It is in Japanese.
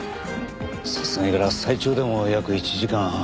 殺害から最長でも約１時間半。